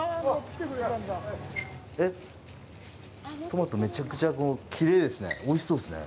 トマト、めちゃくちゃきれいですね。